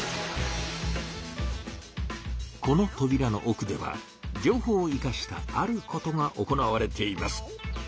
このとびらのおくでは情報をいかしたあることが行われています。